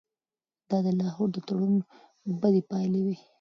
دا د لاهور د تړون بدې پایلې وې.